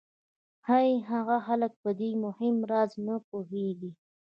ښایي هغه خلک په دې مهم راز نه پوهېږي